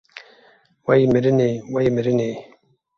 Wey mirinê, wey mirinê